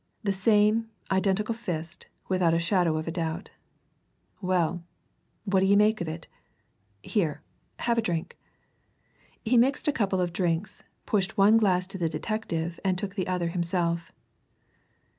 The same, identical fist, without a shadow of doubt. Well what d'ye make of it? Here have a drink." He mixed a couple of drinks, pushed one glass to the detective, and took the other himself.